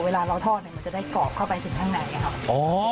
เวลาเราทอดเนี่ยมันจะได้กรอบเข้าไปถึงข้างในค่ะ